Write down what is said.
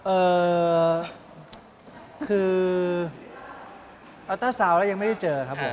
เอ่อคืออัลเตอร์ซาวน์แล้วยังไม่ได้เจอครับผม